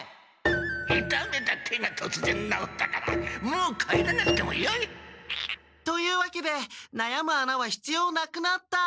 「いためた手がとつぜんなおったからもう帰らなくてもよい」。というわけでなやむ穴はひつようなくなった。